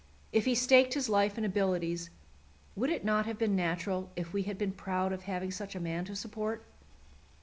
If he staked his life and abilities, would it not have been natural if we had been proud of having such a man to support?